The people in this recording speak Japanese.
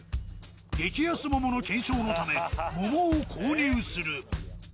激安桃の検証のため桃を購入する。